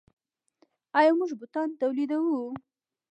آیا موږ بوټان تولیدوو؟